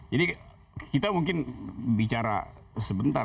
jadi kita mungkin bicara sebentar